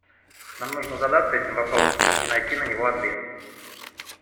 Нам нужно задаться этим вопросом и найти на него ответ.